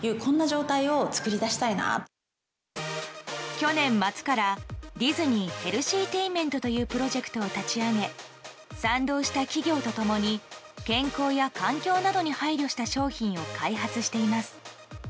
去年末からディズニーヘルシー・テインメントというプロジェクトを立ち上げ賛同した企業と共に健康や環境などに配慮した商品を開発しています。